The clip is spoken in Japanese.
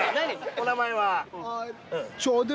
お名前は？